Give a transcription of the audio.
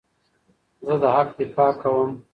زه د حق دفاع کوم.